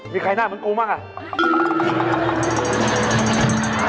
มีใครหน้าเหมือนกูบ้างอ่ะ